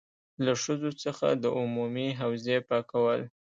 له ښځو څخه د عمومي حوزې پاکول.